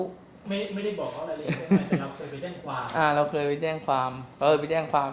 ไม่ได้บอกอะไรเลยแต่มันเคยไปแจ้งความ